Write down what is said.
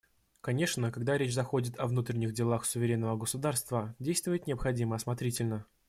Конечно, когда речь заходит о внутренних делах суверенного государства, действовать необходимо осмотрительно.